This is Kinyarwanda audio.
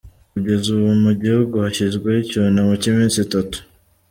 Kugeza ubu mu gihugu hashyizweho icyunamo cy’iminsi itatu.